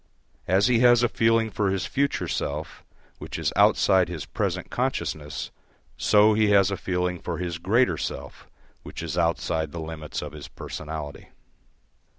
As he has a feeling for his future self which is outside his present consciousness, so he has a feeling for his greater self which is outside the limits of his personality.